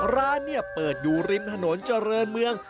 ร้านเนี่ยเปิดอยู่ริมถนนเจริญเมือง